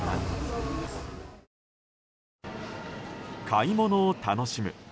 買い物を楽しむ。